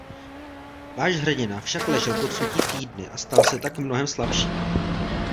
Váš hrdina však ležel pod sutí týdny a stal se tak mnohem slabším.